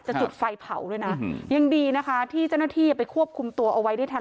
จุดไฟเผาด้วยนะยังดีนะคะที่เจ้าหน้าที่ไปควบคุมตัวเอาไว้ได้ทัน